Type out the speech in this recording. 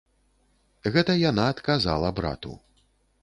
Гэта яна адказала брату.